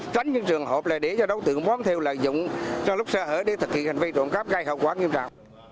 tránh những trường hộp lợi để cho đối tượng bóm theo lợi dụng cho lúc xe hở để thực hiện hành vi trộm cắp gây hậu quả nghiêm trạng